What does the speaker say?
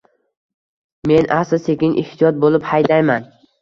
Men asta-sekin, ehtiyot bo`lib haydayman